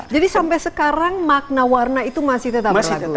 jadi sampai sekarang makna warna itu masih tetap berlaku